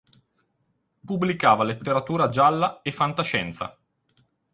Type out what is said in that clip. Pubblicava letteratura gialla e fantascienza.